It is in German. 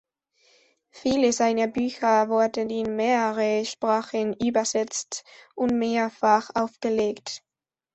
Viele seiner Bücher wurden in mehrere Sprachen übersetzt und mehrfach aufgelegt.